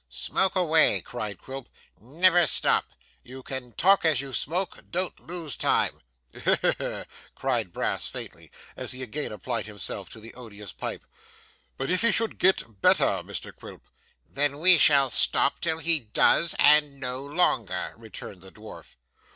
'Smoke away!' cried Quilp. 'Never stop! You can talk as you smoke. Don't lose time.' 'He he he!' cried Brass faintly, as he again applied himself to the odious pipe. 'But if he should get better, Mr Quilp?' 'Then we shall stop till he does, and no longer,' returned the dwarf.